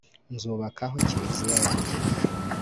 nzubakaho kiliziya yanjye